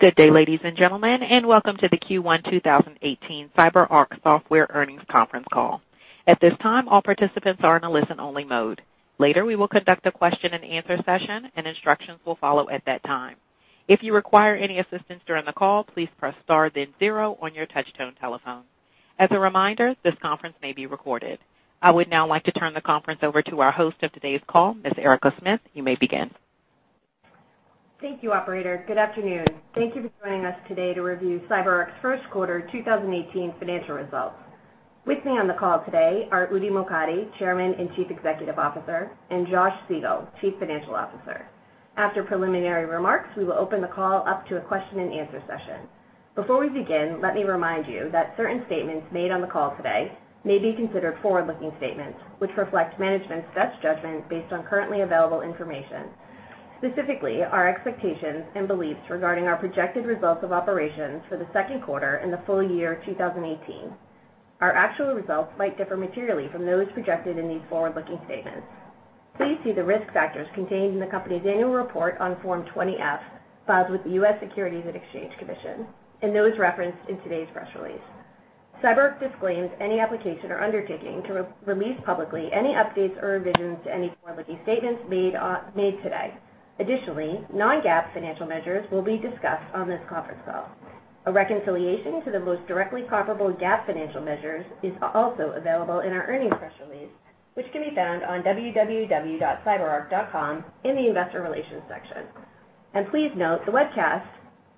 Good day, ladies and gentlemen, and welcome to the Q1 2018 CyberArk Software earnings conference call. At this time, all participants are in a listen-only mode. Later, we will conduct a question and answer session, and instructions will follow at that time. If you require any assistance during the call, please press star then zero on your touch-tone telephone. As a reminder, this conference may be recorded. I would now like to turn the conference over to our host of today's call, Ms. Erica Smith. You may begin. Thank you, operator. Good afternoon. Thank you for joining us today to review CyberArk's first quarter 2018 financial results. With me on the call today are Udi Mokady, Chairman and Chief Executive Officer, and Josh Siegel, Chief Financial Officer. After preliminary remarks, we will open the call up to a question and answer session. Before we begin, let me remind you that certain statements made on the call today may be considered forward-looking statements, which reflect management's best judgment based on currently available information, specifically our expectations and beliefs regarding our projected results of operations for the second quarter and the full year 2018. Our actual results might differ materially from those projected in these forward-looking statements. Please see the risk factors contained in the company's annual report on Form 20-F filed with the U.S. Securities and Exchange Commission and those referenced in today's press release. CyberArk disclaims any obligation or undertaking to release publicly any updates or revisions to any forward-looking statements made today. Additionally, non-GAAP financial measures will be discussed on this conference call. A reconciliation to the most directly comparable GAAP financial measures is also available in our earnings press release, which can be found on www.cyberark.com in the investor relations section. Please note the webcast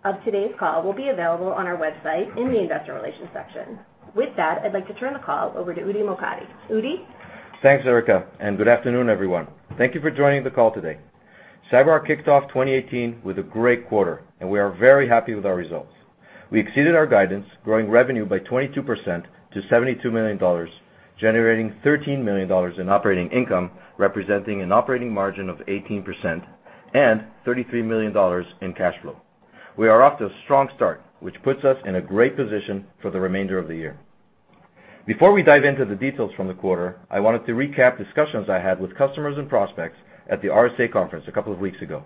of today's call will be available on our website in the investor relations section. With that, I'd like to turn the call over to Udi Mokady. Udi? Thanks, Erica. Good afternoon, everyone. Thank you for joining the call today. CyberArk kicked off 2018 with a great quarter, and we are very happy with our results. We exceeded our guidance, growing revenue by 22% to $72 million, generating $13 million in operating income, representing an operating margin of 18%, and $33 million in cash flow. We are off to a strong start, which puts us in a great position for the remainder of the year. Before we dive into the details from the quarter, I wanted to recap discussions I had with customers and prospects at the RSA Conference a couple of weeks ago.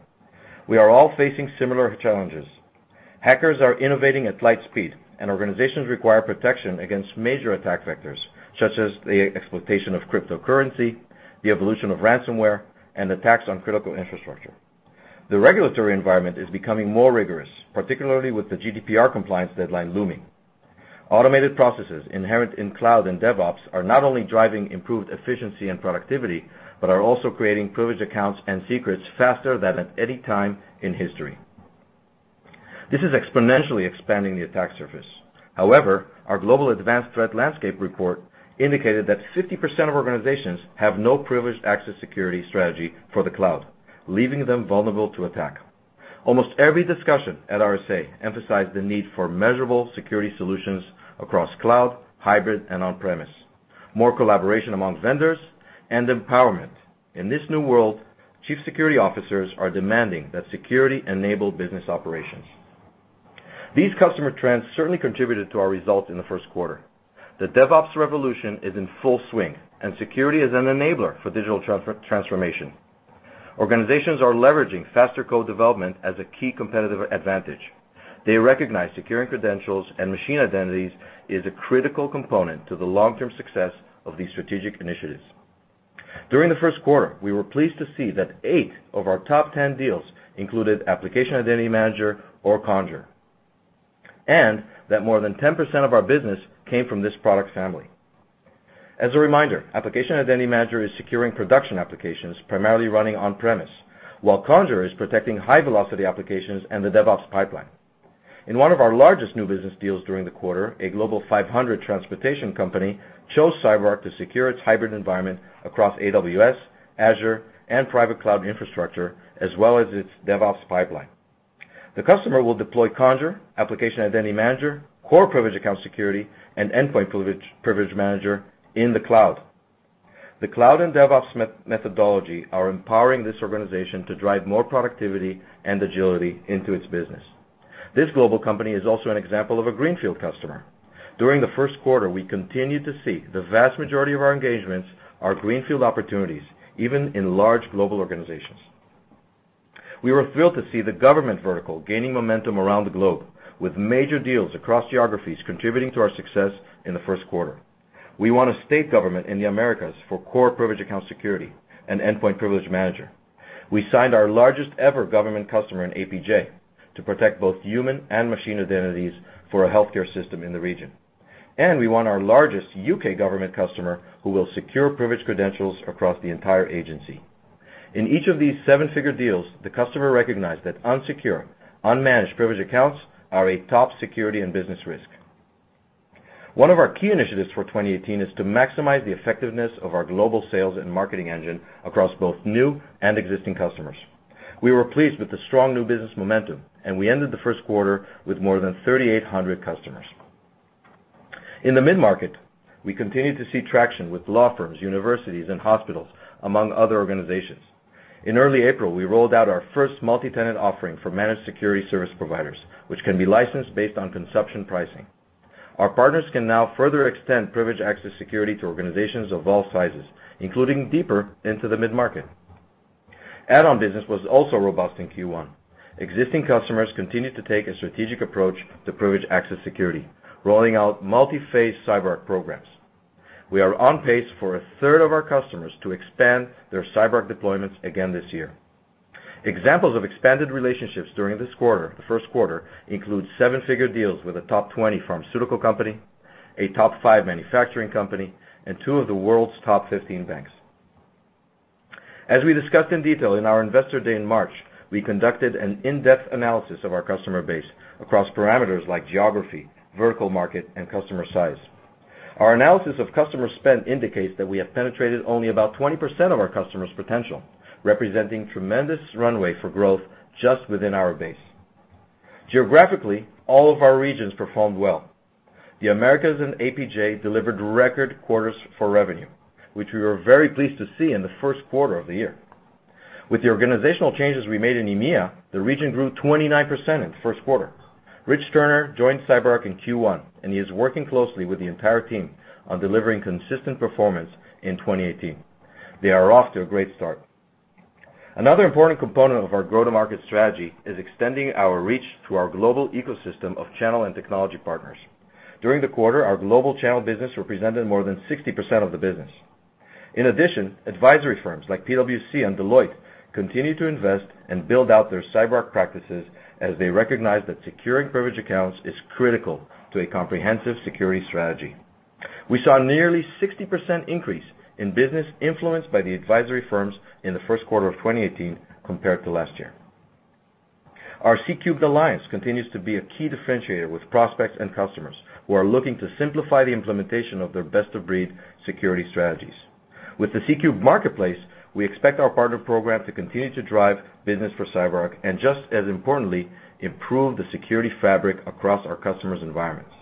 We are all facing similar challenges. Hackers are innovating at light speed, and organizations require protection against major attack vectors, such as the exploitation of cryptocurrency, the evolution of ransomware, and attacks on critical infrastructure. The regulatory environment is becoming more rigorous, particularly with the General Data Protection Regulation compliance deadline looming. Automated processes inherent in cloud and DevOps are not only driving improved efficiency and productivity but are also creating privileged accounts and secrets faster than at any time in history. This is exponentially expanding the attack surface. However, our Global Advanced Threat Landscape report indicated that 50% of organizations have no privileged access security strategy for the cloud, leaving them vulnerable to attack. Almost every discussion at RSA Conference emphasized the need for measurable security solutions across cloud, hybrid, and on-premise, more collaboration among vendors, and empowerment. In this new world, chief security officers are demanding that security enable business operations. These customer trends certainly contributed to our results in the first quarter. The DevOps revolution is in full swing, and security is an enabler for digital transformation. Organizations are leveraging faster code development as a key competitive advantage. They recognize securing credentials and machine identities is a critical component to the long-term success of these strategic initiatives. During the first quarter, we were pleased to see that eight of our top 10 deals included Application Identity Manager or Conjur, and that more than 10% of our business came from this product family. As a reminder, Application Identity Manager is securing production applications primarily running on-premise, while Conjur is protecting high-velocity applications and the DevOps pipeline. In one of our largest new business deals during the quarter, a Global 500 transportation company chose CyberArk to secure its hybrid environment across AWS, Azure, and private cloud infrastructure, as well as its DevOps pipeline. The customer will deploy Conjur, Application Identity Manager, Core Privileged Account Security, and Endpoint Privilege Manager in the cloud. The cloud and DevOps methodology are empowering this organization to drive more productivity and agility into its business. This global company is also an example of a greenfield customer. During the first quarter, we continued to see the vast majority of our engagements are greenfield opportunities, even in large global organizations. We were thrilled to see the government vertical gaining momentum around the globe, with major deals across geographies contributing to our success in the first quarter. We won a state government in the Americas for Core Privileged Account Security and Endpoint Privilege Manager. We signed our largest-ever government customer in APJ to protect both human and machine identities for a healthcare system in the region. We won our largest U.K. government customer, who will secure privileged credentials across the entire agency. In each of these seven-figure deals, the customer recognized that unsecure, unmanaged privileged accounts are a top security and business risk. One of our key initiatives for 2018 is to maximize the effectiveness of our global sales and marketing engine across both new and existing customers. We were pleased with the strong new business momentum, we ended the first quarter with more than 3,800 customers. In the mid-market, we continued to see traction with law firms, universities, and hospitals, among other organizations. In early April, we rolled out our first multi-tenant offering for managed security service providers, which can be licensed based on consumption pricing. Our partners can now further extend privileged access security to organizations of all sizes, including deeper into the mid-market. Add-on business was also robust in Q1. Existing customers continued to take a strategic approach to privileged access security, rolling out multi-phase CyberArk programs. We are on pace for a third of our customers to expand their CyberArk deployments again this year. Examples of expanded relationships during the first quarter include seven-figure deals with a top 20 pharmaceutical company, a top five manufacturing company, and two of the world's top 15 banks. As we discussed in detail in our Investor Day in March, we conducted an in-depth analysis of our customer base across parameters like geography, vertical market, and customer size. Our analysis of customer spend indicates that we have penetrated only about 20% of our customers' potential, representing tremendous runway for growth just within our base. Geographically, all of our regions performed well. The Americas and APJ delivered record quarters for revenue, which we were very pleased to see in the first quarter of the year. With the organizational changes we made in EMEA, the region grew 29% in the first quarter. Rich Turner joined CyberArk in Q1. He is working closely with the entire team on delivering consistent performance in 2018. They are off to a great start. Another important component of our go-to-market strategy is extending our reach to our global ecosystem of channel and technology partners. During the quarter, our global channel business represented more than 60% of the business. In addition, advisory firms like PwC and Deloitte continue to invest and build out their CyberArk practices as they recognize that securing privileged accounts is critical to a comprehensive security strategy. We saw nearly 60% increase in business influenced by the advisory firms in the first quarter of 2018 compared to last year. Our C cubed Alliance continues to be a key differentiator with prospects and customers who are looking to simplify the implementation of their best-of-breed security strategies. With the C cubed marketplace, we expect our partner program to continue to drive business for CyberArk and just as importantly, improve the security fabric across our customers' environments.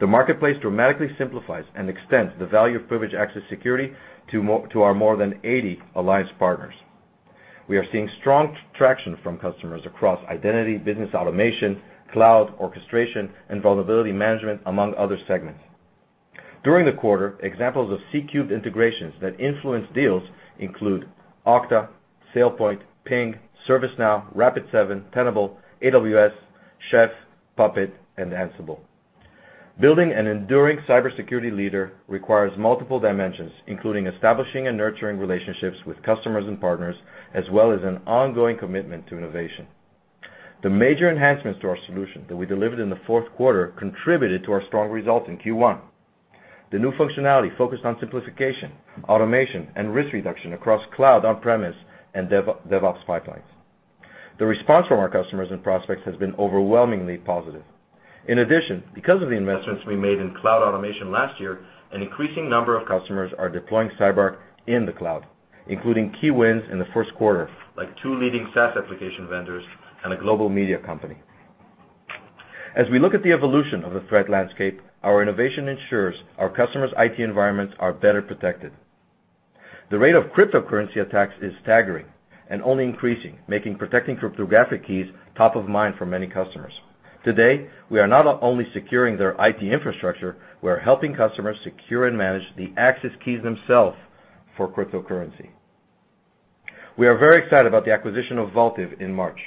The marketplace dramatically simplifies and extends the value of privileged access security to our more than 80 alliance partners. We are seeing strong traction from customers across identity, business automation, cloud, orchestration, and vulnerability management, among other segments. During the quarter, examples of C cubed integrations that influenced deals include Okta, SailPoint, Ping, ServiceNow, Rapid7, Tenable, AWS, Chef, Puppet, and Ansible. Building an enduring cybersecurity leader requires multiple dimensions, including establishing and nurturing relationships with customers and partners, as well as an ongoing commitment to innovation. The major enhancements to our solution that we delivered in the fourth quarter contributed to our strong results in Q1. The new functionality focused on simplification, automation, and risk reduction across cloud, on-premise, and DevOps pipelines. The response from our customers and prospects has been overwhelmingly positive. In addition, because of the investments we made in cloud automation last year, an increasing number of customers are deploying CyberArk in the cloud, including key wins in the first quarter, like two leading SaaS application vendors and a global media company. As we look at the evolution of the threat landscape, our innovation ensures our customer's IT environments are better protected. The rate of cryptocurrency attacks is staggering and only increasing, making protecting cryptographic keys top of mind for many customers. Today, we are not only securing their IT infrastructure, we're helping customers secure and manage the access keys themselves for cryptocurrency. We are very excited about the acquisition of Vaultive in March.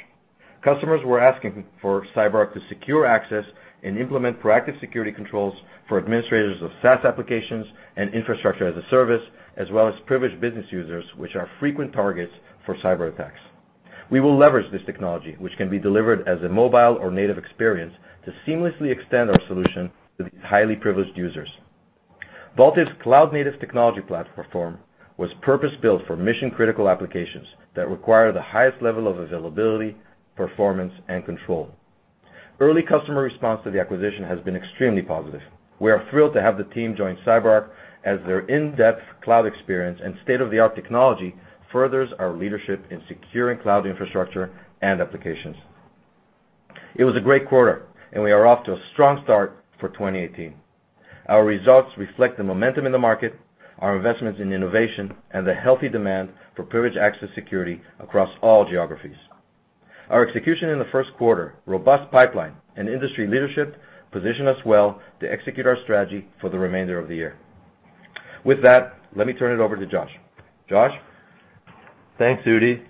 Customers were asking for CyberArk to secure access and implement proactive security controls for administrators of SaaS applications and infrastructure-as-a-service, as well as privileged business users, which are frequent targets for cyberattacks. We will leverage this technology, which can be delivered as a mobile or native experience to seamlessly extend our solution to these highly privileged users. Vaultive's cloud native technology platform was purpose-built for mission-critical applications that require the highest level of availability, performance, and control. Early customer response to the acquisition has been extremely positive. We are thrilled to have the team join CyberArk as their in-depth cloud experience and state-of-the-art technology furthers our leadership in securing cloud infrastructure and applications. It was a great quarter, and we are off to a strong start for 2018. Our results reflect the momentum in the market, our investments in innovation, and the healthy demand for privileged access security across all geographies. Our execution in the first quarter, robust pipeline, and industry leadership position us well to execute our strategy for the remainder of the year. With that, let me turn it over to Josh. Josh? Thanks, Udi.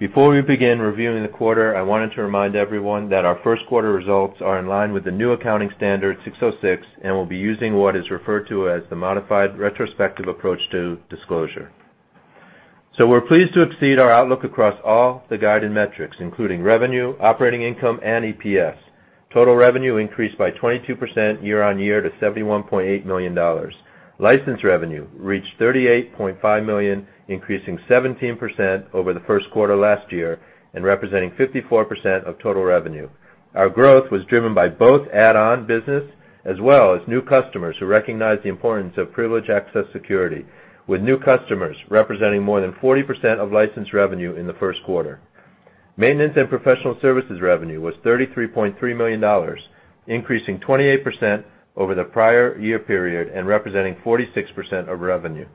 Before we begin reviewing the quarter, I wanted to remind everyone that our first quarter results are in line with the new accounting standard 606, and we'll be using what is referred to as the modified retrospective approach to disclosure. We're pleased to exceed our outlook across all the guided metrics, including revenue, operating income, and EPS. Total revenue increased by 22% year-on-year to $71.8 million. License revenue reached $38.5 million, increasing 17% over the first quarter last year and representing 54% of total revenue. Our growth was driven by both add-on business as well as new customers who recognize the importance of privileged access security, with new customers representing more than 40% of license revenue in the first quarter. Maintenance and professional services revenue was $33.3 million, increasing 28% over the prior year period and representing 46% of revenue.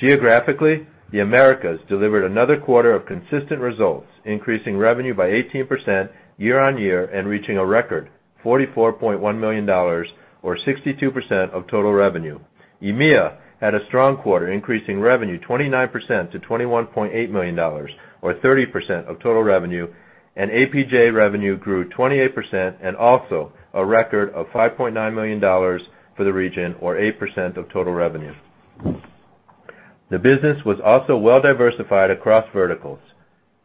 Geographically, the Americas delivered another quarter of consistent results, increasing revenue by 18% year-on-year and reaching a record $44.1 million, or 62% of total revenue. EMEA had a strong quarter, increasing revenue 29% to $21.8 million, or 30% of total revenue. APJ revenue grew 28% and also a record of $5.9 million for the region, or 8% of total revenue. The business was also well diversified across verticals.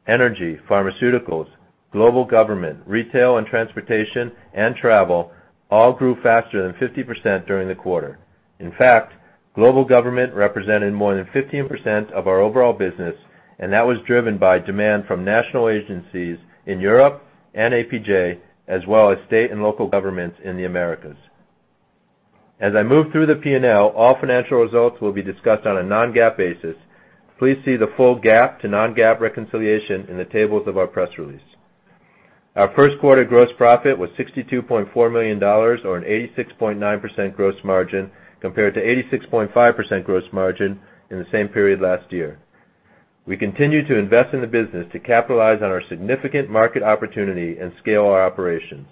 Energy, pharmaceuticals, Global Government, retail, and transportation and travel all grew faster than 50% during the quarter. In fact, Global Government represented more than 15% of our overall business, and that was driven by demand from national agencies in Europe and APJ, as well as state and local governments in the Americas. As I move through the P&L, all financial results will be discussed on a non-GAAP basis. Please see the full GAAP to non-GAAP reconciliation in the tables of our press release. Our first quarter gross profit was $62.4 million, or an 86.9% gross margin, compared to 86.5% gross margin in the same period last year. We continue to invest in the business to capitalize on our significant market opportunity and scale our operations.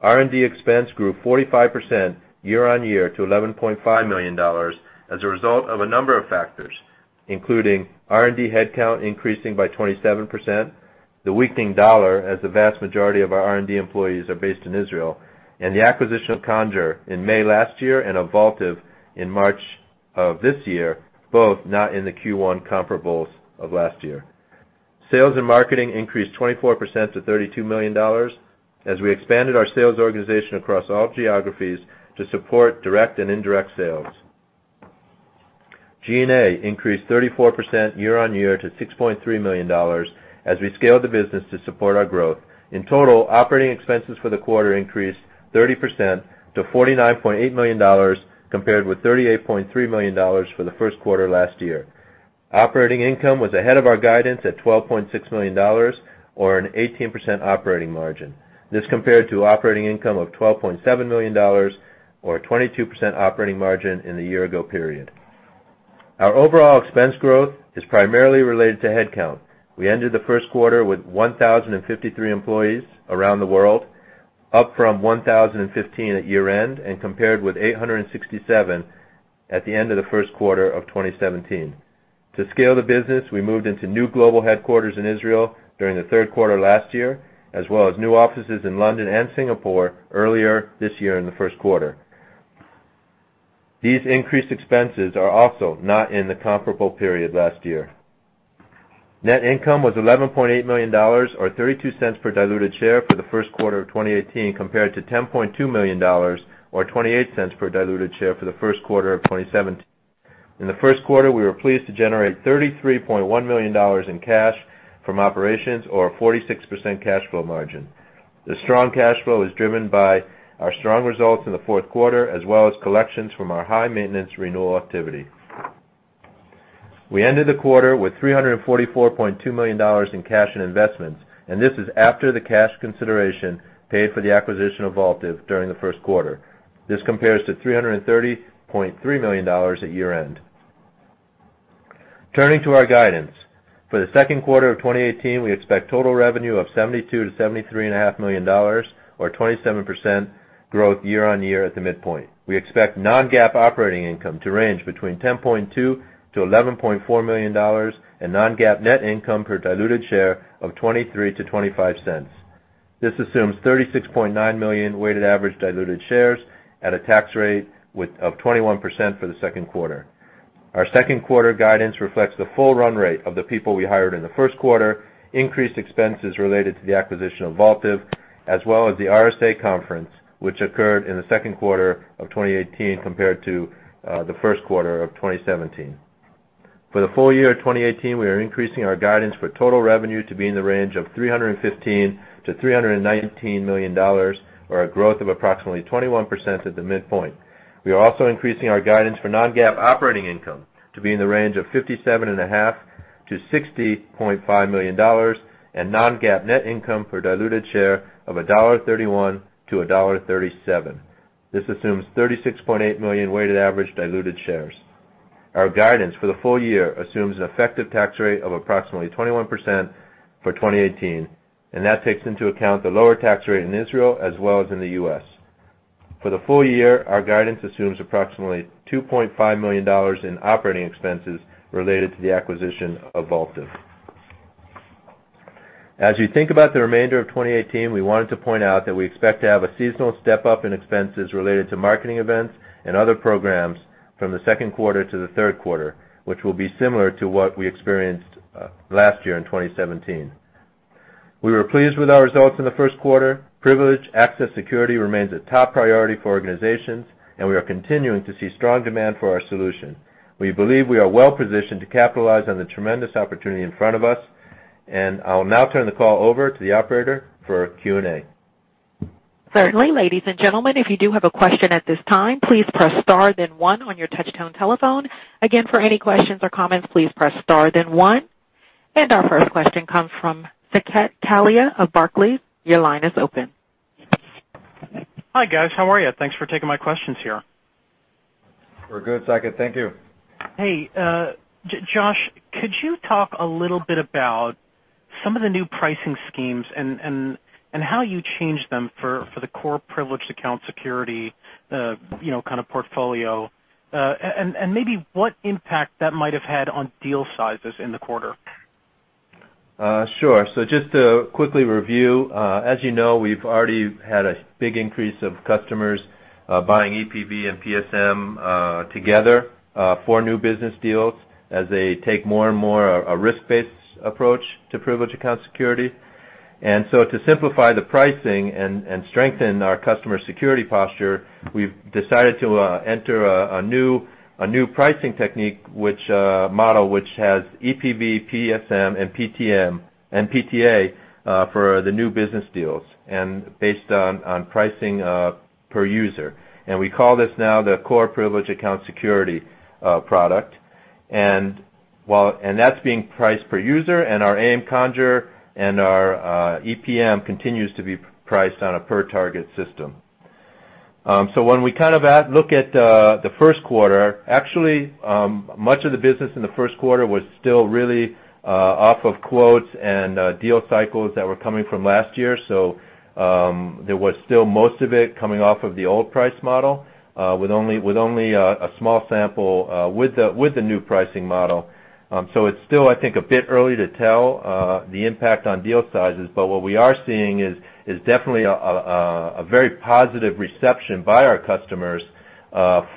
R&D expense grew 45% year-over-year to $11.5 million as a result of a number of factors, including R&D headcount increasing by 27%, the weakening dollar, as the vast majority of our R&D employees are based in Israel, and the acquisition of Conjur in May last year and of Vaultive in March of this year, both not in the Q1 comparables of last year. Sales and marketing increased 24% to $32 million as we expanded our sales organization across all geographies to support direct and indirect sales. G&A increased 34% year-over-year to $6.3 million as we scaled the business to support our growth. In total, operating expenses for the quarter increased 30% to $49.8 million, compared with $38.3 million for the first quarter last year. Operating income was ahead of our guidance at $12.6 million, or an 18% operating margin. This compared to operating income of $12.7 million, or a 22% operating margin in the year ago period. Our overall expense growth is primarily related to headcount. We ended the first quarter with 1,053 employees around the world, up from 1,015 at year-end, and compared with 867 at the end of the first quarter of 2017. To scale the business, we moved into new global headquarters in Israel during the third quarter last year, as well as new offices in London and Singapore earlier this year in the first quarter. These increased expenses are also not in the comparable period last year. Net income was $11.8 million or $0.32 per diluted share for the first quarter of 2018, compared to $10.2 million or $0.28 per diluted share for the first quarter of 2017. In the first quarter, we were pleased to generate $33.1 million in cash from operations or a 46% cash flow margin. The strong cash flow is driven by our strong results in the fourth quarter, as well as collections from our high maintenance renewal activity. We ended the quarter with $344.2 million in cash and investments, and this is after the cash consideration paid for the acquisition of Vaultive during the first quarter. This compares to $330.3 million at year-end. Turning to our guidance. For the second quarter of 2018, we expect total revenue of $72 million-$73.5 million, or 27% growth year-over-year at the midpoint. We expect non-GAAP operating income to range between $10.2 million-$11.4 million and non-GAAP net income per diluted share of $0.23 to $0.25. This assumes 36.9 million weighted average diluted shares at a tax rate of 21% for the second quarter. Our second quarter guidance reflects the full run rate of the people we hired in the first quarter, increased expenses related to the acquisition of Vaultive, as well as the RSA Conference, which occurred in the second quarter of 2018 compared to the first quarter of 2017. For the full year 2018, we are increasing our guidance for total revenue to be in the range of $315 million-$319 million, or a growth of approximately 21% at the midpoint. We are also increasing our guidance for non-GAAP operating income to be in the range of $57.5 million-$60.5 million and non-GAAP net income per diluted share of $1.31-$1.37. This assumes 36.8 million weighted average diluted shares. Our guidance for the full year assumes an effective tax rate of approximately 21% for 2018. That takes into account the lower tax rate in Israel as well as in the U.S. For the full year, our guidance assumes approximately $2.5 million in operating expenses related to the acquisition of Vaultive. As you think about the remainder of 2018, we wanted to point out that we expect to have a seasonal step-up in expenses related to marketing events and other programs from the second quarter to the third quarter, which will be similar to what we experienced last year in 2017. We were pleased with our results in the first quarter. Privileged Access Security remains a top priority for organizations. We are continuing to see strong demand for our solution. We believe we are well-positioned to capitalize on the tremendous opportunity in front of us. I will now turn the call over to the operator for Q&A. Certainly. Ladies and gentlemen, if you do have a question at this time, please press star then one on your touch-tone telephone. Again, for any questions or comments, please press star then one. Our first question comes from Saket Kalia of Barclays. Your line is open. We're good, Saket. Thank you. Hey, Josh, could you talk a little bit about some of the new pricing schemes and how you changed them for the Core Privileged Account Security portfolio? Maybe what impact that might have had on deal sizes in the quarter? Sure. Just to quickly review, as you know, we've already had a big increase of customers buying EPV and PSM together for new business deals as they take more and more a risk-based approach to privileged account security. To simplify the pricing and strengthen our customer security posture, we've decided to enter a new pricing technique model, which has EPV, PSM, and PTM, and PTA for the new business deals, and based on pricing per user. We call this now the Core Privileged Account Security product. That's being priced per user, and our AIM Conjur and our EPM continues to be priced on a per target system. When we look at the first quarter, actually, much of the business in the first quarter was still really off of quotes and deal cycles that were coming from last year. There was still most of it coming off of the old price model, with only a small sample with the new pricing model. It's still, I think, a bit early to tell the impact on deal sizes. What we are seeing is definitely a very positive reception by our customers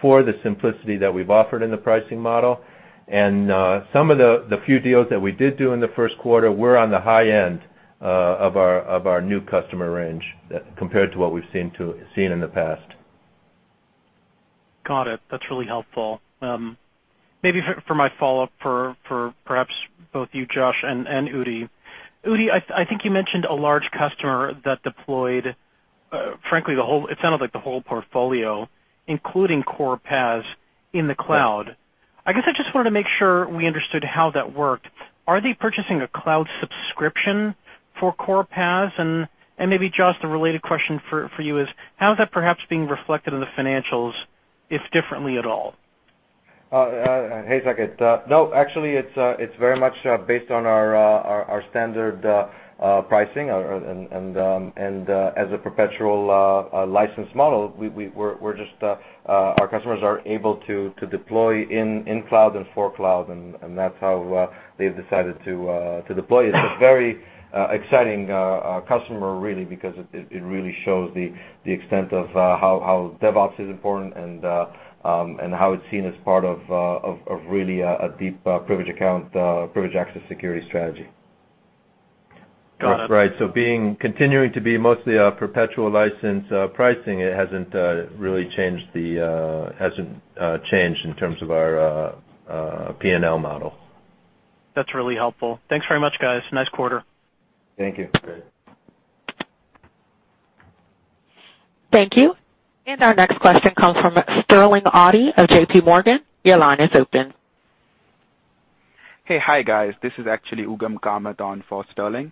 for the simplicity that we've offered in the pricing model. Some of the few deals that we did do in the first quarter were on the high end of our new customer range compared to what we've seen in the past. Got it. That's really helpful. Maybe for my follow-up for perhaps both you, Josh, and Udi. Udi, I think you mentioned a large customer that deployed, frankly, it sounded like the whole portfolio, including Core PAS, in the cloud. I guess I just wanted to make sure we understood how that worked. Are they purchasing a cloud subscription for Core PAS? Maybe, Josh, the related question for you is, how is that perhaps being reflected in the financials, if differently at all? Hey, Saket. Actually, it's very much based on our standard pricing. As a perpetual license model, our customers are able to deploy in cloud and for cloud, that's how they've decided to deploy it. It's a very exciting customer, really, because it really shows the extent of how DevOps is important and how it's seen as part of really a deep privileged account, privilege access security strategy. Got it. Right. Continuing to be mostly a perpetual license pricing, it hasn't changed in terms of our P&L model. That's really helpful. Thanks very much, guys. Nice quarter. Thank you. Great. Thank you. Our next question comes from Sterling Auty of J.P. Morgan. Your line is open. Hey. Hi, guys. This is actually Ugam Kamat on for Sterling.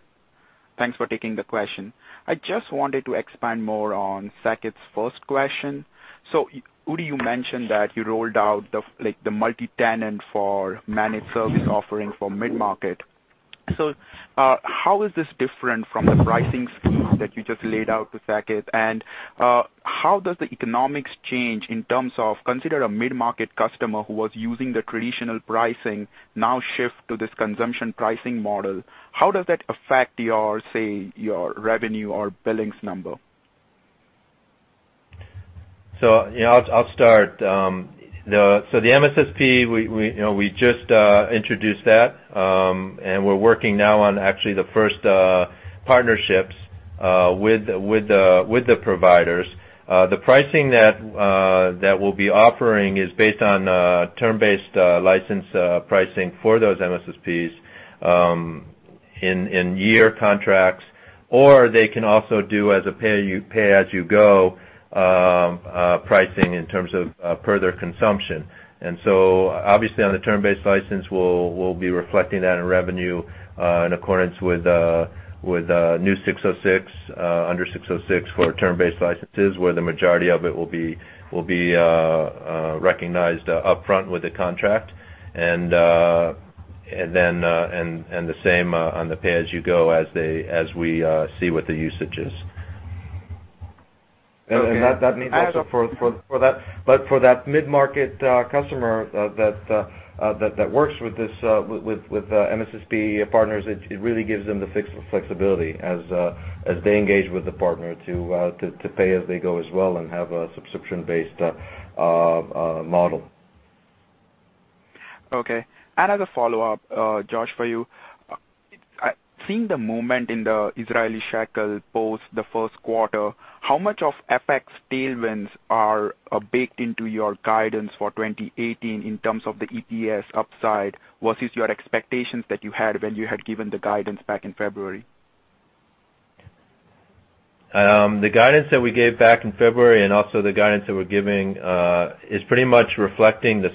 Thanks for taking the question. I just wanted to expand more on Saket's first question. Udi, you mentioned that you rolled out the multi-tenant for managed service offering for mid-market. How is this different from the pricing scheme that you just laid out to Saket, and how does the economics change in terms of, consider a mid-market customer who was using the traditional pricing now shift to this consumption pricing model, how does that affect your, say, your revenue or billings number? I'll start. The MSSP, we just introduced that. We're working now on actually the first partnerships with the providers. The pricing that we'll be offering is based on term-based license pricing for those MSSPs in year contracts, or they can also do as a pay-as-you-go pricing in terms of per their consumption. Obviously on the term-based license, we'll be reflecting that in revenue in accordance with new 606, under 606 for term-based licenses, where the majority of it will be recognized upfront with a contract. The same on the pay-as-you-go as we see what the usage is. Okay. For that mid-market customer that works with MSSP partners, it really gives them the flexibility as they engage with the partner to pay as they go as well and have a subscription-based model. As a follow-up, Josh, for you. Seeing the movement in the Israeli shekel post the first quarter, how much of FX tailwinds are baked into your guidance for 2018 in terms of the EPS upside versus your expectations that you had when you had given the guidance back in February? The guidance that we gave back in February and also the guidance that we're giving is pretty much reflecting the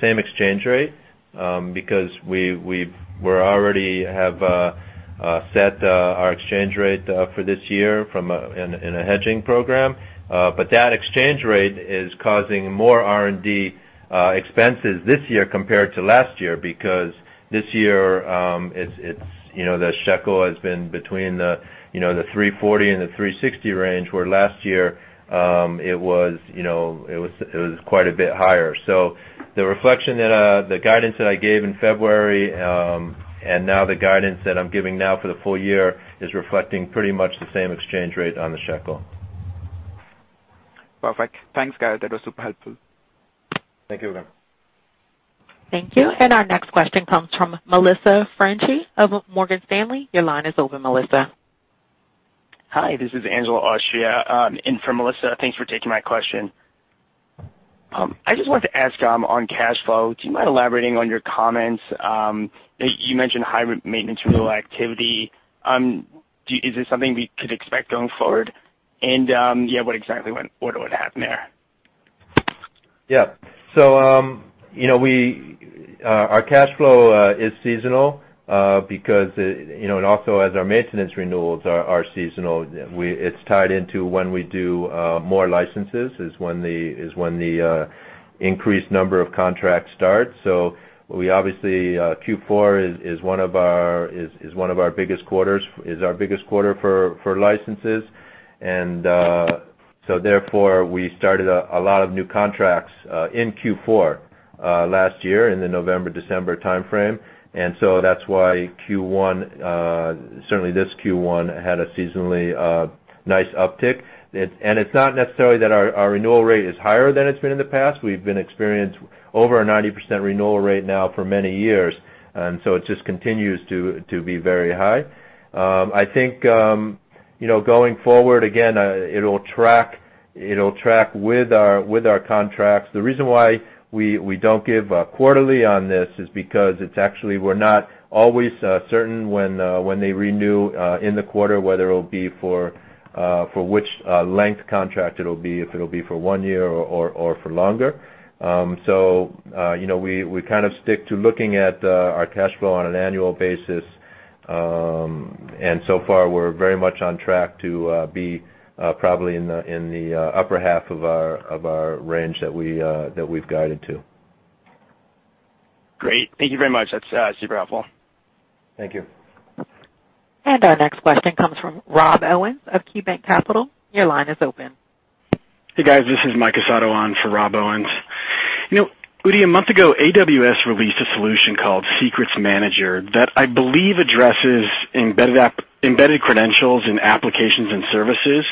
same exchange rate because we already have set our exchange rate for this year in a hedging program. But that exchange rate is causing more R&D expenses this year compared to last year because this year, the shekel has been between the 340 and the 360 range where last year it was quite a bit higher. The guidance that I gave in February, and now the guidance that I'm giving now for the full year is reflecting pretty much the same exchange rate on the shekel. Perfect. Thanks, guys. That was super helpful. Thank you, Ugam. Thank you. Our next question comes from Melissa Franchi of Morgan Stanley. Your line is open, Melissa. Hi, this is Angela Aflatooni in for Melissa. Thanks for taking my question. I just wanted to ask on cash flow, do you mind elaborating on your comments? You mentioned high maintenance renewal activity. Is this something we could expect going forward? Yeah, what exactly would happen there? Our cash flow is seasonal and also as our maintenance renewals are seasonal, it's tied into when we do more licenses is when the increased number of contracts starts. Obviously, Q4 is our biggest quarter for licenses. Therefore, we started a lot of new contracts in Q4 last year in the November-December timeframe. That's why Q1, certainly this Q1, had a seasonally nice uptick. It's not necessarily that our renewal rate is higher than it's been in the past. We've been experienced over a 90% renewal rate now for many years, and so it just continues to be very high. I think going forward, again, it'll track with our contracts. The reason why we don't give quarterly on this is because we're not always certain when they renew in the quarter, whether it'll be for which length contract it'll be, if it'll be for one year or for longer. We kind of stick to looking at our cash flow on an annual basis. So far, we're very much on track to be probably in the upper half of our range that we've guided to. Great. Thank you very much. That's super helpful. Thank you. Our next question comes from Rob Owens of KeyBanc Capital Markets. Your line is open. Hey, guys. This is Mike Turits on for Rob Owens. Udi, a month ago, AWS released a solution called Secrets Manager that I believe addresses embedded credentials in applications and services.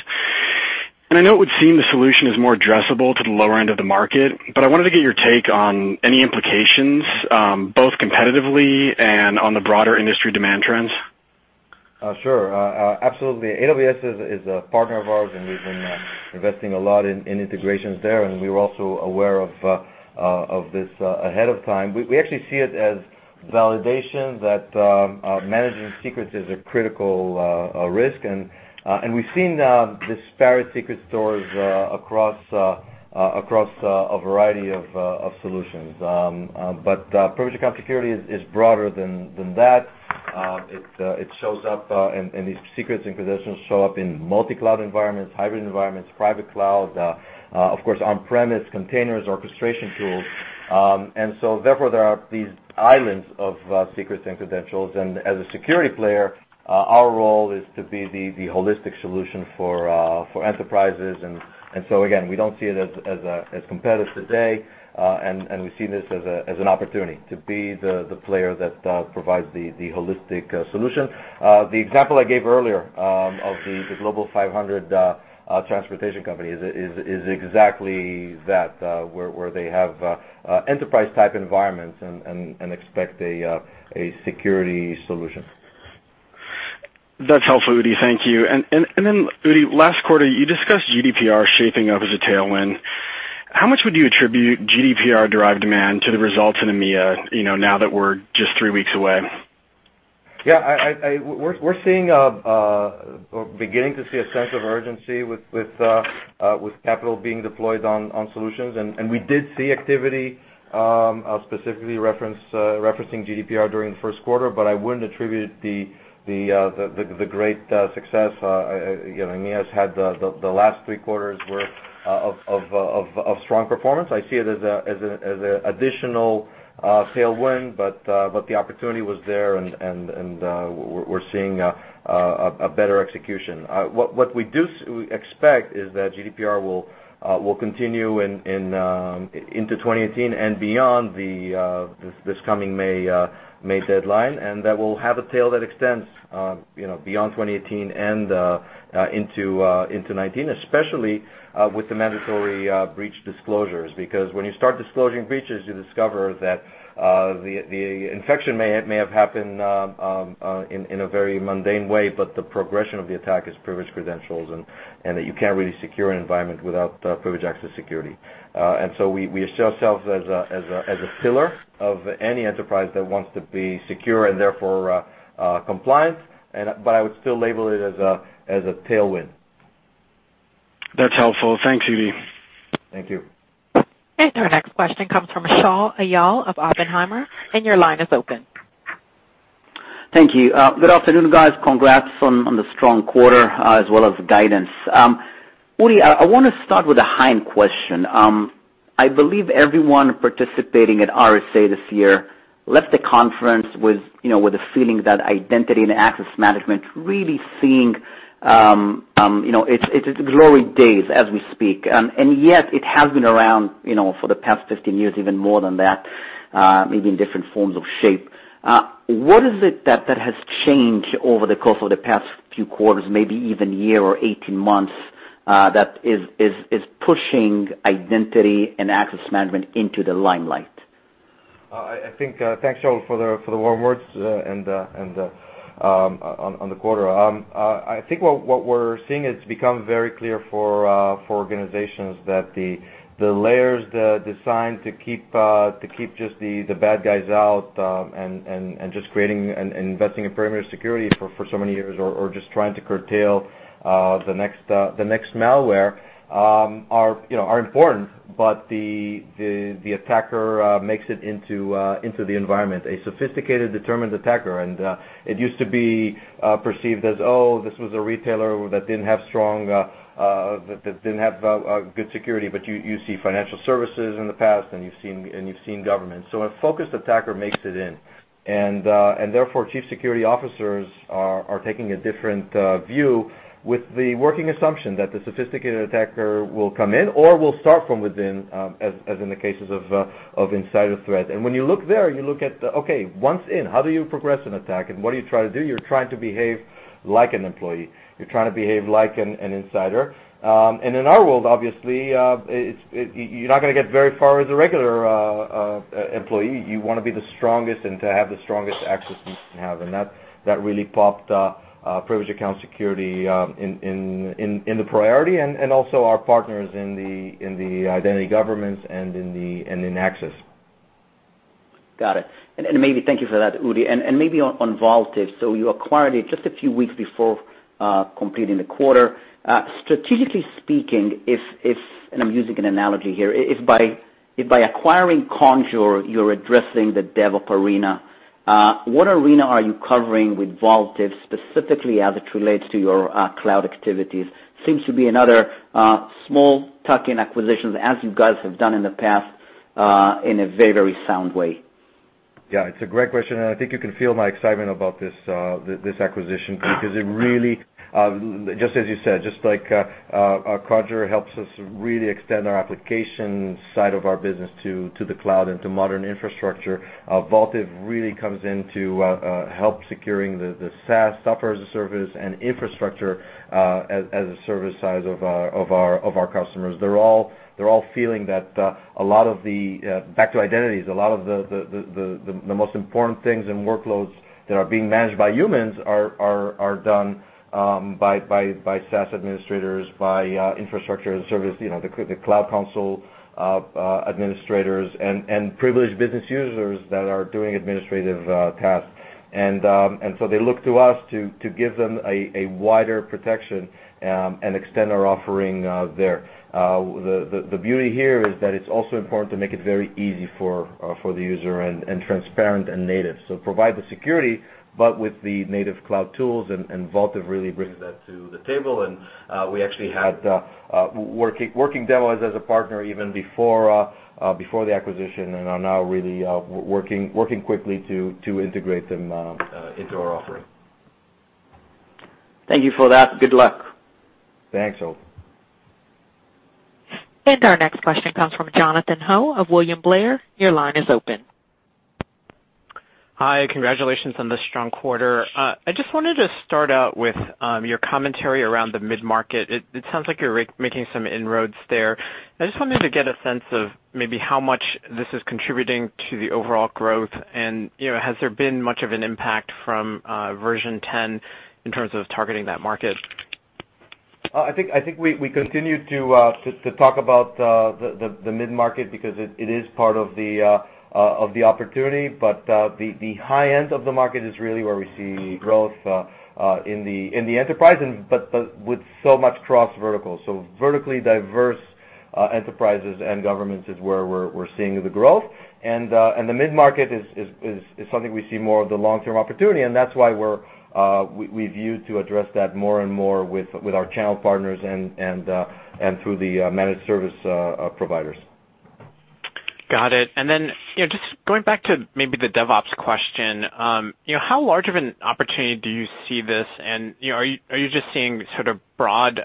I know it would seem the solution is more addressable to the lower end of the market, but I wanted to get your take on any implications, both competitively and on the broader industry demand trends. Sure. Absolutely. AWS is a partner of ours, we've been investing a lot in integrations there, we were also aware of this ahead of time. We actually see it as validation that managing secrets is a critical risk. We've seen disparate secret stores across a variety of solutions. Privileged account security is broader than that. It shows up, and these secrets and credentials show up in multi-cloud environments, hybrid environments, private cloud, of course, on-premise containers, orchestration tools. Therefore, there are these islands of secrets and credentials. As a security player, our role is to be the holistic solution for enterprises. Again, we don't see it as competitive today, we see this as an opportunity to be the player that provides the holistic solution. The example I gave earlier of the Global 500 transportation company is exactly that, where they have enterprise-type environments and expect a security solution. That's helpful, Udi. Thank you. Last quarter, Udi discussed GDPR shaping up as a tailwind. How much would you attribute GDPR-derived demand to the results in EMEA now that we're just three weeks away? Yeah. We're beginning to see a sense of urgency with capital being deployed on solutions. We did see activity specifically referencing GDPR during the first quarter, but I wouldn't attribute the great success EMEA has had the last three quarters worth of strong performance. I see it as an additional tailwind, but the opportunity was there, and we're seeing a better execution. What we do expect is that GDPR will continue into 2018 and beyond this coming May deadline, and that will have a tail that extends beyond 2018 and into 2019, especially with the mandatory breach disclosures. When you start disclosing breaches, you discover that the infection may have happened in a very mundane way, but the progression of the attack is privileged credentials, and that you can't really secure an environment without privileged access security. We assert ourselves as a pillar of any enterprise that wants to be secure and therefore compliant, but I would still label it as a tailwind. That's helpful. Thanks, Udi. Thank you. Our next question comes from Shaul Eyal of Oppenheimer, and your line is open. Thank you. Good afternoon, guys. Congrats on the strong quarter as well as guidance. Udi, I want to start with a high-end question. I believe everyone participating at RSA this year left the conference with the feeling that identity and access management really seeing its glory days as we speak. Yet it has been around for the past 15 years, even more than that. Maybe in different forms of shape. What is it that has changed over the course of the past few quarters, maybe even year or 18 months, that is pushing identity and access management into the limelight? Thanks, Shaul, for the warm words on the quarter. I think what we're seeing, it's become very clear for organizations that the layers designed to keep just the bad guys out, and just creating and investing in perimeter security for so many years, or just trying to curtail the next malware, are important. The attacker makes it into the environment. A sophisticated, determined attacker. It used to be perceived as, oh, this was a retailer that didn't have good security. You see financial services in the past, and you've seen government. A focused attacker makes it in. Therefore, chief security officers are taking a different view with the working assumption that the sophisticated attacker will come in or will start from within, as in the cases of insider threat. When you look there, you look at, once in, how do you progress an attack? What do you try to do? You're trying to behave like an employee. You're trying to behave like an insider. In our world, obviously, you're not going to get very far as a regular employee. You want to be the strongest and to have the strongest access you can have. That really popped Privileged Account Security in the priority, and also our partners in the identity governance and in access. Got it. Thank you for that, Udi. Maybe on Vaultive. You acquired it just a few weeks before completing the quarter. Strategically speaking, I'm using an analogy here, if by acquiring Conjur, you're addressing the DevOps arena, what arena are you covering with Vaultive specifically as it relates to your cloud activities? Seems to be another small tuck-in acquisition, as you guys have done in the past, in a very sound way. It's a great question, I think you can feel my excitement about this acquisition because it really, just as you said, just like Conjur helps us really extend our application side of our business to the cloud and to modern infrastructure, Vaultive really comes in to help securing the SaaS, software as a service, and infrastructure-as-a-service side of our customers. They're all feeling that, back to identities, a lot of the most important things and workloads that are being managed by humans are done by SaaS administrators, by infrastructure-as-a-service, the cloud console administrators, and privileged business users that are doing administrative tasks. They look to us to give them a wider protection and extend our offering there. The beauty here is that it's also important to make it very easy for the user and transparent and native. Provide the security, but with the native cloud tools, and Vaultive really brings that to the table. We actually had working demos as a partner even before the acquisition, and are now really working quickly to integrate them into our offering. Thank you for that. Good luck. Thanks, Shaul. Our next question comes from Jonathan Ho of William Blair. Your line is open. Hi. Congratulations on the strong quarter. I just wanted to start out with your commentary around the mid-market. It sounds like you're making some inroads there. I just wanted to get a sense of maybe how much this is contributing to the overall growth. Has there been much of an impact from Version 10 in terms of targeting that market? I think we continue to talk about the mid-market because it is part of the opportunity. The high end of the market is really where we see growth in the enterprise, but with so much cross vertical. Vertically diverse enterprises and governments is where we're seeing the growth. The mid-market is something we see more of the long-term opportunity, and that's why we've viewed to address that more and more with our channel partners and through the managed service providers. Got it. Just going back to maybe the DevOps question. How large of an opportunity do you see this? Are you just seeing sort of broad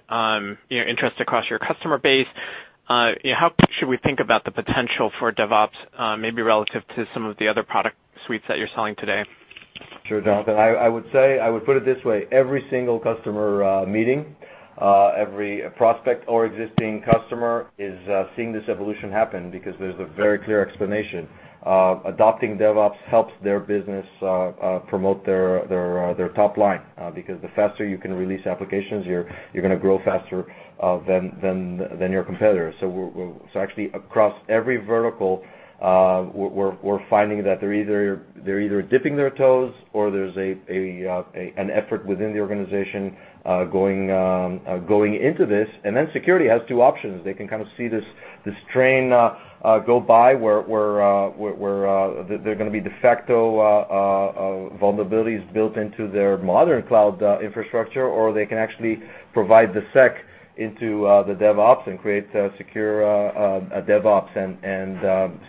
interest across your customer base? How should we think about the potential for DevOps, maybe relative to some of the other product suites that you're selling today? Sure, Jonathan. I would put it this way. Every single customer meeting, every prospect or existing customer is seeing this evolution happen because there's a very clear explanation. Adopting DevOps helps their business promote their top line. The faster you can release applications, you're going to grow faster than your competitors. Actually, across every vertical, we're finding that they're either dipping their toes or there's an effort within the organization going into this. Security has two options. They can kind of see this train go by where there are going to be de facto vulnerabilities built into their modern cloud infrastructure, or they can actually provide the sec into the DevOps and create a secure DevOps.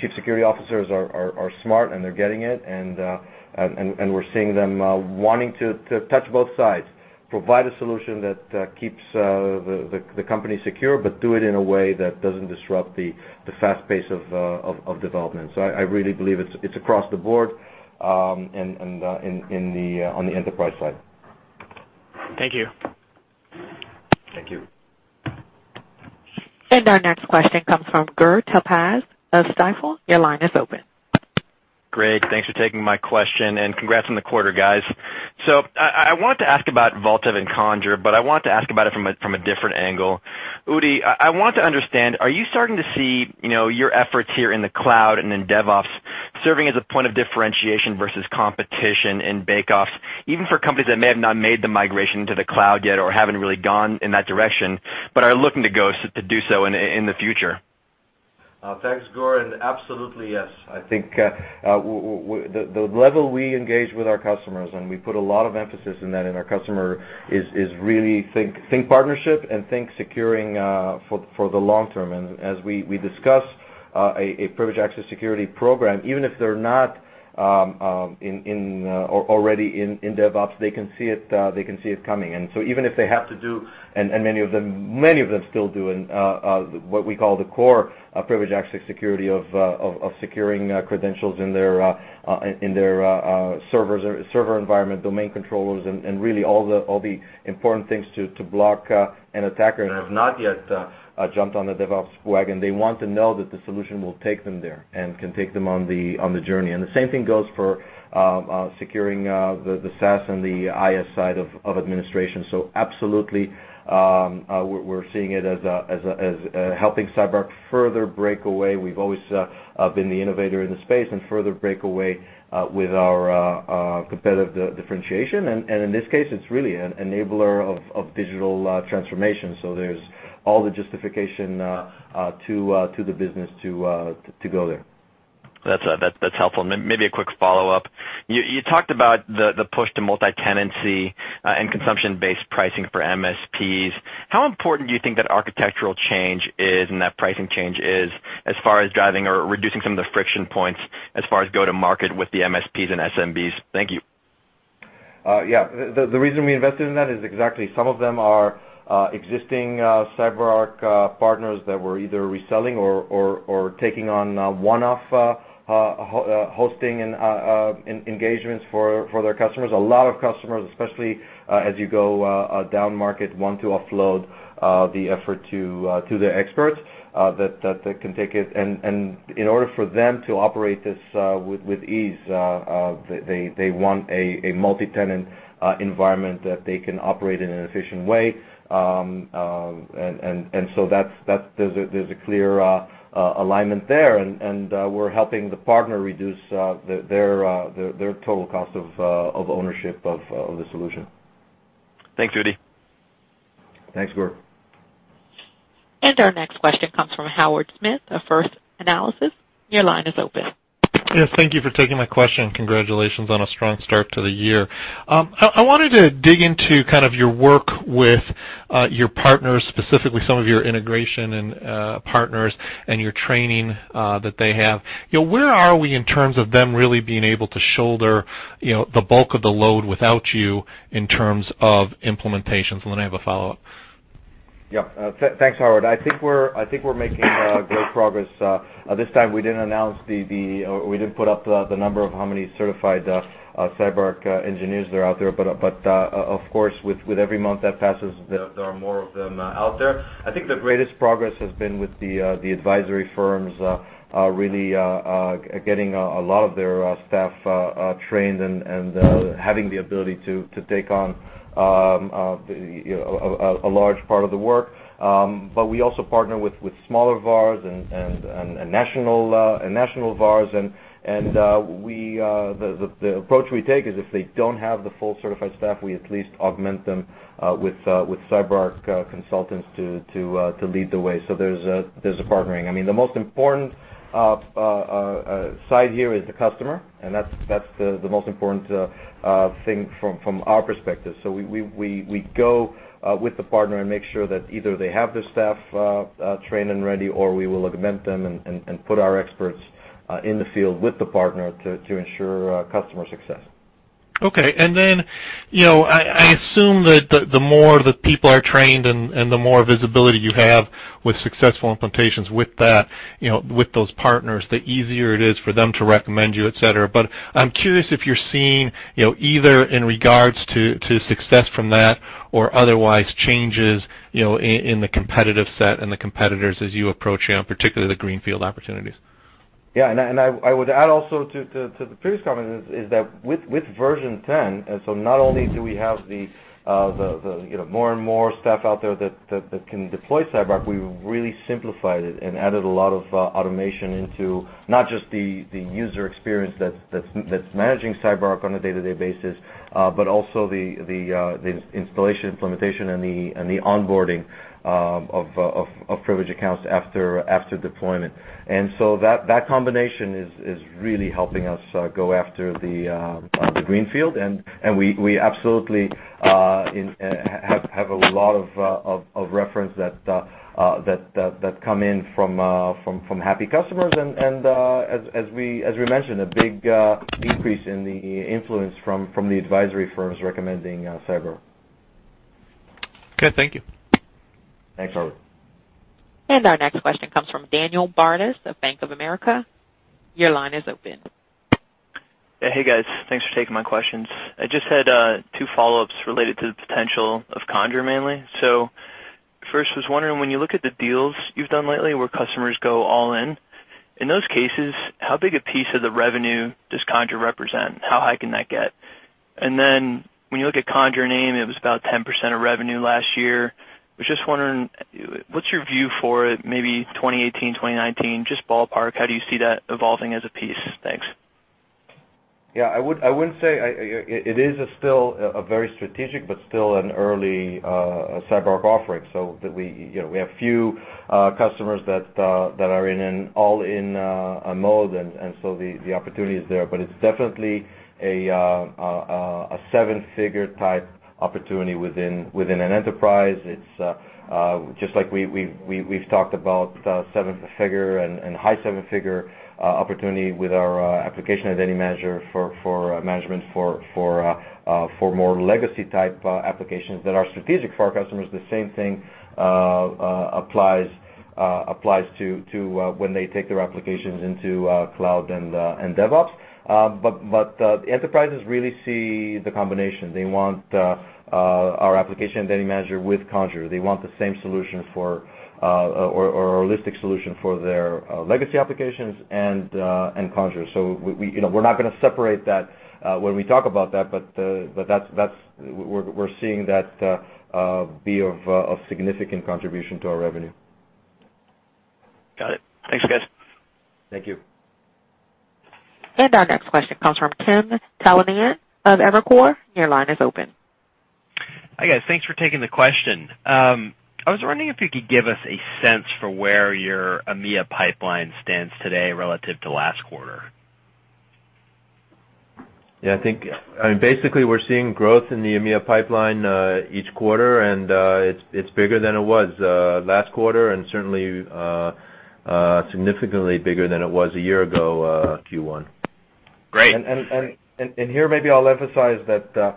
Chief security officers are smart, and they're getting it. We're seeing them wanting to touch both sides, provide a solution that keeps the company secure, but do it in a way that doesn't disrupt the fast pace of development. I really believe it's across the board on the enterprise side. Thank you. Thank you. Our next question comes from Gur Talpaz of Stifel. Your line is open. Great. Thanks for taking my question, and congrats on the quarter, guys. I want to ask about Vaultive and Conjur, but I want to ask about it from a different angle. Udi, I want to understand, are you starting to see your efforts here in the cloud and in DevOps serving as a point of differentiation versus competition in bake-offs, even for companies that may have not made the migration to the cloud yet or haven't really gone in that direction, but are looking to do so in the future? Thanks, Gur, Absolutely, yes. I think the level we engage with our customers, and we put a lot of emphasis in that in our customer, is really think partnership and think securing for the long term. As we discuss a privileged access security program, even if they're not already in DevOps, they can see it coming. Even if they have to do, and many of them still do what we call the Core Privileged Access Security of securing credentials in their server environment, domain controllers, and really all the important things to block an attacker and have not yet jumped on the DevOps wagon. They want to know that the solution will take them there and can take them on the journey. The same thing goes for securing the SaaS and the IaaS side of administration. Absolutely, we're seeing it as helping CyberArk further break away. We've always been the innovator in the space and further break away with our competitive differentiation. In this case, it's really an enabler of digital transformation. There's all the justification to the business to go there. That's helpful. Maybe a quick follow-up. You talked about the push to multi-tenancy and consumption-based pricing for MSPs. How important do you think that architectural change is and that pricing change is as far as driving or reducing some of the friction points as far as go to market with the MSPs and SMBs? Thank you. Yeah. The reason we invested in that is exactly some of them are existing CyberArk partners that were either reselling or taking on one-off hosting and engagements for their customers. A lot of customers, especially as you go down market, want to offload the effort to the experts that can take it. In order for them to operate this with ease, they want a multi-tenant environment that they can operate in an efficient way. There's a clear alignment there, and we're helping the partner reduce their total cost of ownership of the solution. Thanks, Udi. Thanks, Gur. Our next question comes from Howard Smith of First Analysis. Your line is open. Yes, thank you for taking my question. Congratulations on a strong start to the year. I wanted to dig into your work with your partners, specifically some of your integration and partners and your training that they have. Where are we in terms of them really being able to shoulder the bulk of the load without you in terms of implementations? Then I have a follow-up. Thanks, Howard. I think we're making great progress. This time, we didn't put up the number of how many certified CyberArk engineers that are out there. Of course, with every month that passes, there are more of them out there. I think the greatest progress has been with the advisory firms really getting a lot of their staff trained and having the ability to take on a large part of the work. We also partner with smaller VARs and national VARs. The approach we take is if they don't have the full certified staff, we at least augment them with CyberArk consultants to lead the way. There's a partnering. The most important side here is the customer, and that's the most important thing from our perspective. We go with the partner and make sure that either they have the staff trained and ready, or we will augment them and put our experts in the field with the partner to ensure customer success. Okay. I assume that the more the people are trained and the more visibility you have with successful implementations with those partners, the easier it is for them to recommend you, et cetera. I'm curious if you're seeing, either in regards to success from that or otherwise, changes in the competitive set and the competitors as you approach, particularly the greenfield opportunities. I would add also to the previous comment is that with Version 10, not only do we have more and more staff out there that can deploy CyberArk, we really simplified it and added a lot of automation into not just the user experience that's managing CyberArk on a day-to-day basis, but also the installation, implementation, and the onboarding of privileged accounts after deployment. That combination is really helping us go after the greenfield, and we absolutely have a lot of reference that come in from happy customers and, as we mentioned, a big increase in the influence from the advisory firms recommending Cyber. Okay. Thank you. Thanks, Howard. Our next question comes from Daniel Bartus of Bank of America. Your line is open Hey, guys. Thanks for taking my questions. I just had two follow-ups related to the potential of Conjur, mainly. First, I was wondering, when you look at the deals you've done lately where customers go all in those cases, how big a piece of the revenue does Conjur represent? How high can that get? Then when you look at Conjur, it was about 10% of revenue last year. I was just wondering, what's your view for maybe 2018, 2019? Just ballpark, how do you see that evolving as a piece? Thanks. Yeah, I wouldn't say it is still a very strategic but still an early CyberArk offering. We have few customers that are in an all-in mode, and so the opportunity is there. It's definitely a $7-figure type opportunity within an enterprise. It's just like we've talked about $7-figure and high $7-figure opportunity with our Application Identity Manager for management for more legacy type applications that are strategic for our customers. The same thing applies to when they take their applications into cloud and DevOps. The enterprises really see the combination. They want our Application Identity Manager with Conjur. They want the same solution for or a holistic solution for their legacy applications and Conjur. We're not going to separate that when we talk about that, but we're seeing that be of significant contribution to our revenue. Got it. Thanks, guys. Thank you. Our next question comes from Tim Callahan of Evercore. Your line is open. Hi, guys. Thanks for taking the question. I was wondering if you could give us a sense for where your EMEA pipeline stands today relative to last quarter? Yeah, I think basically, we're seeing growth in the EMEA pipeline, each quarter. It's bigger than it was last quarter and certainly significantly bigger than it was a year ago, Q1. Great. Here, maybe I'll emphasize that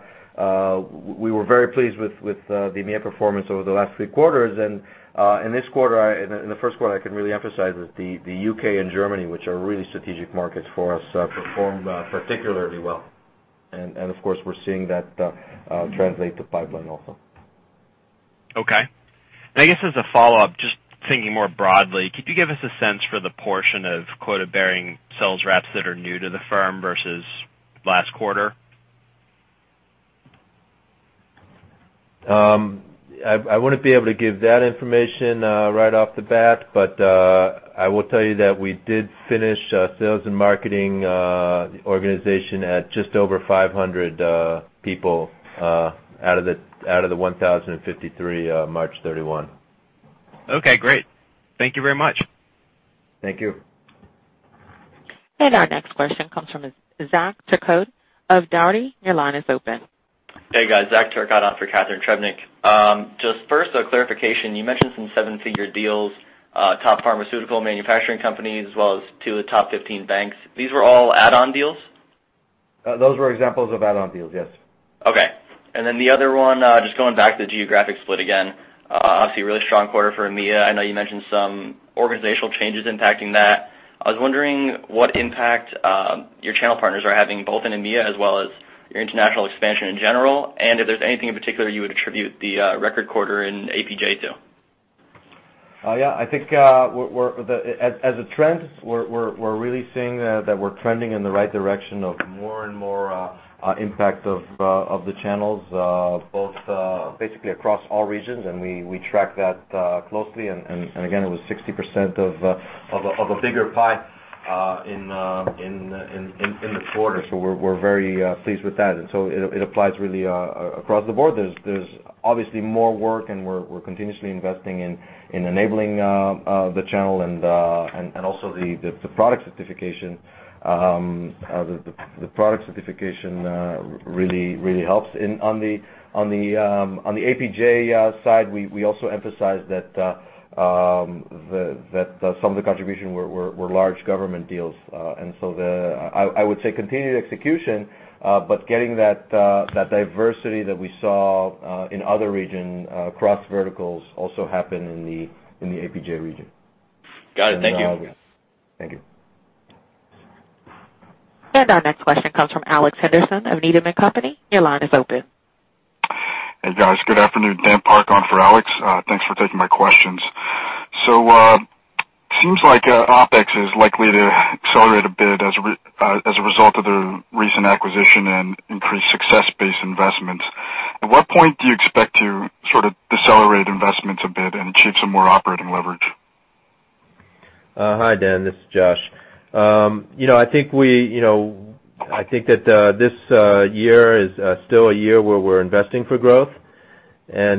we were very pleased with the EMEA performance over the last three quarters. In the first quarter, I can really emphasize that the U.K. and Germany, which are really strategic markets for us, performed particularly well. Of course, we're seeing that translate to pipeline also. Okay. I guess as a follow-up, just thinking more broadly, could you give us a sense for the portion of quota-bearing sales reps that are new to the firm versus last quarter? I wouldn't be able to give that information right off the bat. I will tell you that we did finish sales and marketing organization at just over 500 people out of the 1,053 March 31. Okay, great. Thank you very much. Thank you. Our next question comes from Zach Turcotte of Dougherty. Your line is open. Hey, guys. Zach Turcotte on for Catharine Trebnick. First, a clarification. You mentioned some seven-figure deals, top pharmaceutical manufacturing companies as well as two of the top 15 banks. These were all add-on deals? Those were examples of add-on deals, yes. Okay. The other one, going back to the geographic split again, obviously a really strong quarter for EMEA. I know you mentioned some organizational changes impacting that. I was wondering what impact your channel partners are having, both in EMEA as well as your international expansion in general. If there's anything in particular you would attribute the record quarter in APJ to. I think as a trend, we're really seeing that we're trending in the right direction of more and more impact of the channels both basically across all regions, and we track that closely. Again, it was 60% of a bigger pie in the quarter. We're very pleased with that. It applies really across the board. There's obviously more work, and we're continuously investing in enabling the channel and also the product certification really helps. On the APJ side, we also emphasized that some of the contribution were large government deals. I would say continued execution, but getting that diversity that we saw in other region across verticals also happen in the APJ region. Got it. Thank you. Thank you. Our next question comes from Alex Henderson of Needham & Company. Your line is open. Hey, guys. Good afternoon. Dan Park on for Alex. Thanks for taking my questions. It seems like OpEx is likely to accelerate a bit as a result of the recent acquisition and increased success-based investments. At what point do you expect to sort of decelerate investments a bit and achieve some more operating leverage? Hi, Dan. This is Josh. I think that this year is still a year where we're investing for growth. As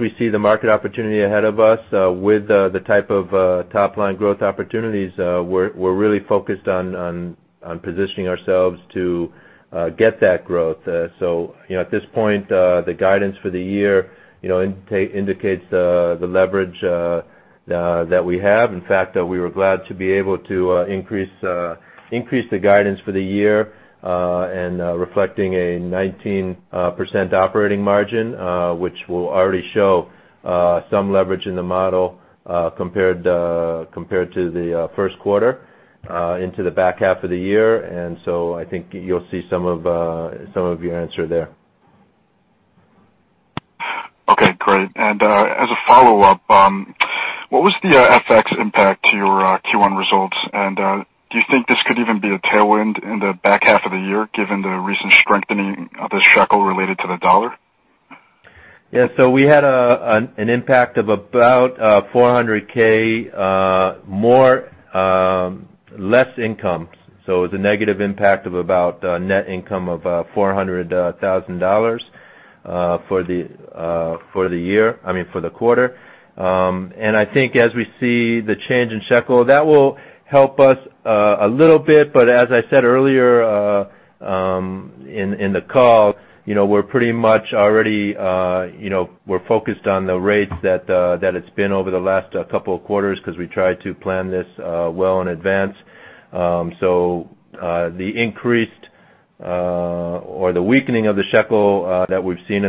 we see the market opportunity ahead of us with the type of top-line growth opportunities, we're really focused on positioning ourselves to get that growth. At this point, the guidance for the year indicates the leverage that we have. In fact, we were glad to be able to increase the guidance for the year, and reflecting a 19% operating margin, which will already show some leverage in the model compared to the first quarter. Into the back half of the year. I think you'll see some of your answer there. Okay, great. As a follow-up, what was the FX impact to your Q1 results? Do you think this could even be a tailwind in the back half of the year, given the recent strengthening of the shekel related to the dollar? Yeah. We had an impact of about $400,000 more, less income. It was a negative impact of about net income of $400,000 for the quarter. I think as we see the change in shekel, that will help us a little bit. As I said earlier in the call, we're pretty much already focused on the rates that it's been over the last couple of quarters because we try to plan this well in advance. The increased or the weakening of the shekel that we've seen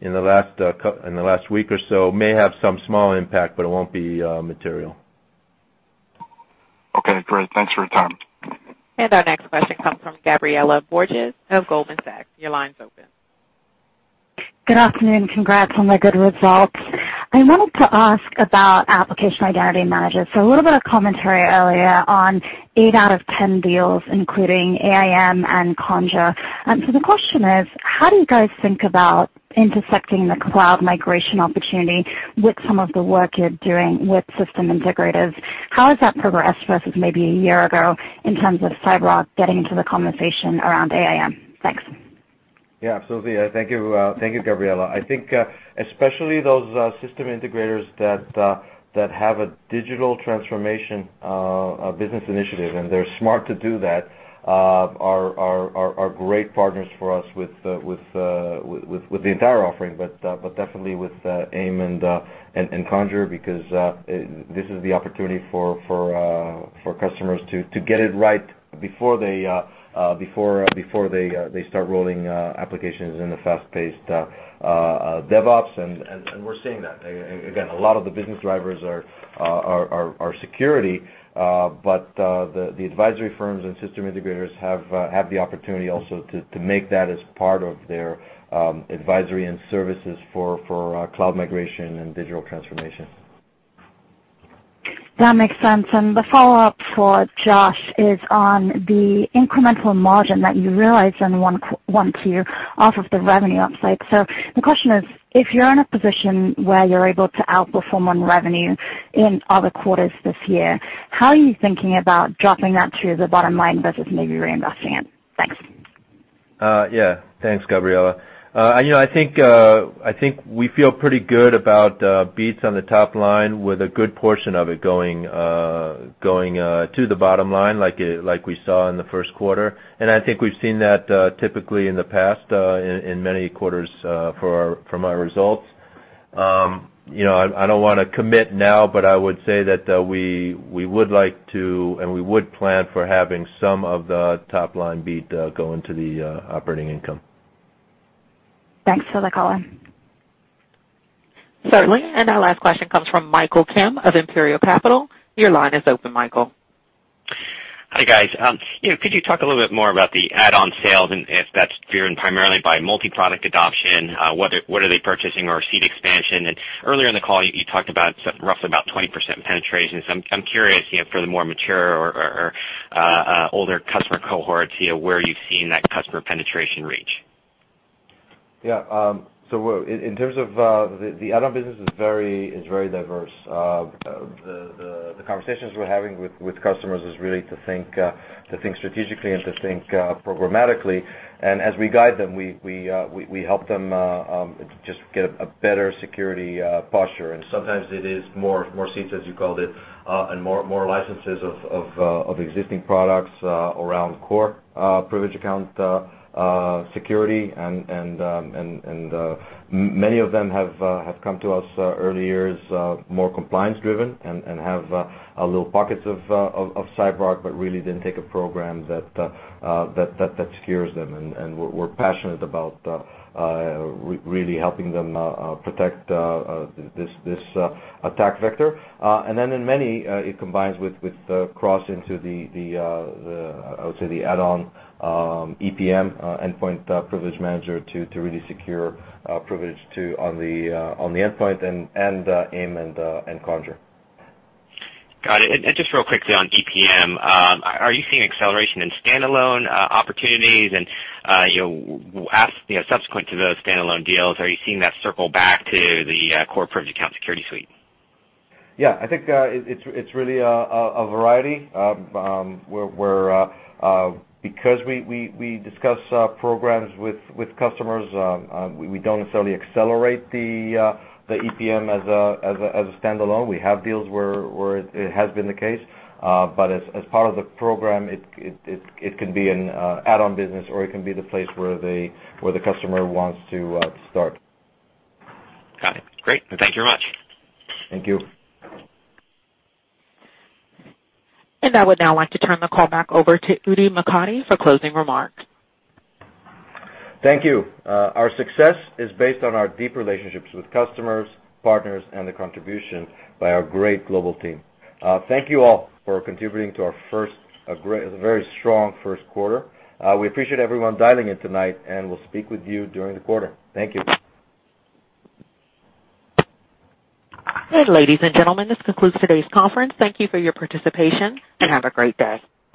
in the last week or so may have some small impact, but it won't be material. Okay, great. Thanks for your time. Our next question comes from Gabriela Borges of Goldman Sachs. Your line's open. Good afternoon. Congrats on the good results. I wanted to ask about Application Identity Managers. A little bit of commentary earlier on 8 out of 10 deals, including AIM and Conjur. The question is, how do you guys think about intersecting the cloud migration opportunity with some of the work you're doing with system integrators? How has that progressed versus maybe a year ago in terms of CyberArk getting into the conversation around AIM? Thanks. Absolutely. Thank you, Gabriela. I think especially those system integrators that have a digital transformation business initiative, and they're smart to do that, are great partners for us with the entire offering, but definitely with AIM and Conjur because this is the opportunity for customers to get it right before they start rolling applications in the fast-paced DevOps. We're seeing that. Again, a lot of the business drivers are security, but the advisory firms and system integrators have the opportunity also to make that as part of their advisory and services for cloud migration and digital transformation. The follow-up for Josh is on the incremental margin that you realized in one quarter off of the revenue upside. The question is, if you're in a position where you're able to outperform on revenue in other quarters this year, how are you thinking about dropping that to the bottom line versus maybe reinvesting it? Thanks. Yeah. Thanks, Gabriela. I think we feel pretty good about beats on the top line with a good portion of it going to the bottom line, like we saw in the first quarter. I think we've seen that typically in the past in many quarters from our results. I don't want to commit now, but I would say that we would like to, and we would plan for having some of the top-line beat go into the operating income. Thanks for the color. Certainly. Our last question comes from Michael Kim of Imperial Capital. Your line is open, Michael. Hi, guys. Could you talk a little bit more about the add-on sales and if that's driven primarily by multi-product adoption, what are they purchasing or seat expansion? Earlier in the call, you talked about roughly 20% penetration. I'm curious for the more mature or older customer cohorts where you've seen that customer penetration reach. Yeah. In terms of the add-on business is very diverse. The conversations we're having with customers is really to think strategically and to think programmatically. As we guide them, we help them just get a better security posture. Sometimes it is more seats, as you called it, and more licenses of existing products around Core Privileged Account Security. Many of them have come to us earlier as more compliance driven and have little pockets of CyberArk, but really didn't take a program that secures them. We're passionate about really helping them protect this attack vector. Then in many, it combines with cross into the, I would say, the add-on EPM, Endpoint Privilege Manager, to really secure privilege on the endpoint and AIM and Conjur. Got it. Just real quickly on EPM, are you seeing acceleration in standalone opportunities and subsequent to those standalone deals, are you seeing that circle back to the Core Privileged Account Security suite? Yeah, I think it's really a variety where because we discuss programs with customers, we don't necessarily accelerate the EPM as a standalone. We have deals where it has been the case. As part of the program, it can be an add-on business, or it can be the place where the customer wants to start. Got it. Great. Thank you very much. Thank you. I would now like to turn the call back over to Udi Mokady for closing remarks. Thank you. Our success is based on our deep relationships with customers, partners, and the contribution by our great global team. Thank you all for contributing to our very strong first quarter. We appreciate everyone dialing in tonight, and we'll speak with you during the quarter. Thank you. Good. Ladies and gentlemen, this concludes today's conference. Thank you for your participation, and have a great day.